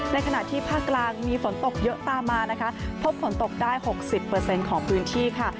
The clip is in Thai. ขณะที่ภาคกลางมีฝนตกเยอะตามมานะคะพบฝนตกได้๖๐ของพื้นที่ค่ะ